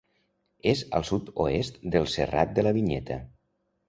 És al sud-oest del Serrat de la Vinyeta.